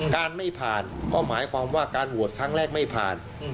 การไม่ผ่านก็หมายความว่าการโหวตครั้งแรกไม่ผ่าน